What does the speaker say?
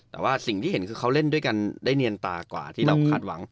แต่ว่าสิ่งที่เห็นคือเขาเล่นด้วยกันได้เนียนตากว่าที่เราคาดหวัง